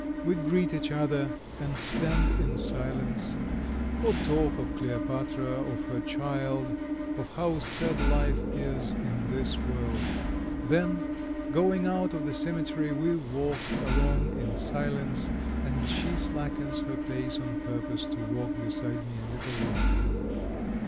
We greet each other and stand in silence, or talk of Kleopatra, of her child, of how sad life is in this world; then, going out of the cemetery we walk along in silence and she slackens her pace on purpose to walk beside me a little longer.